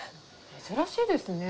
珍しいですね。